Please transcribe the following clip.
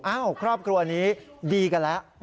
ครอบครัวนี้ดีกันแล้ว